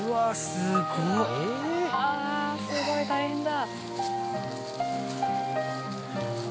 すごい。大変だ。